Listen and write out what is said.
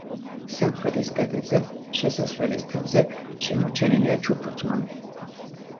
სამხრეთის კედელზე, შესასვლელის თავზე შემორჩენილია ჩუქურთმა.